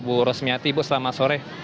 bu rosmiati bu selamat sore